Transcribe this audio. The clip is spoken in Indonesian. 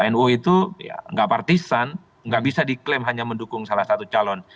nu itu ya nggak partisan nggak bisa diklaim hanya mendukung salah satu calon